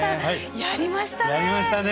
やりましたね！